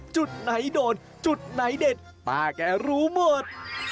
จุดไหนโดนจุดไหนเด็ดป้าแกรู้หมด